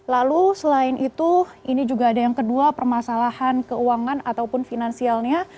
lalu selain itu ini juga ada yang kedua permasalahan keuangan ataupun finansialnya